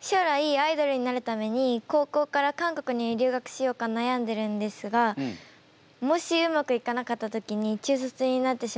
将来アイドルになるために高校から韓国に留学しようか悩んでるんですがもしうまくいかなかった時に中卒になってしまいます。